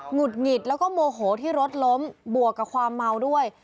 ุดหงิดแล้วก็โมโหที่รถล้มบวกกับความเมาด้วย